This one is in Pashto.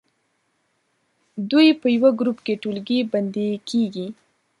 دوی په یوه ګروپ کې ټولګی بندي کیږي.